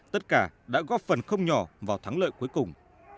tất cả đã góp phần không nhỏ vào thắng lợi cuối cùng